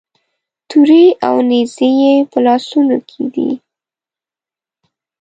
تورې او نیزې یې په لاسونو کې دي.